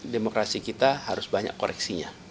demokrasi kita harus banyak koreksinya